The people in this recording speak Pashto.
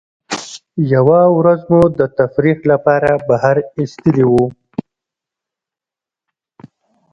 یوه ورځ مو د تفریح له پاره بهر ایستلي وو.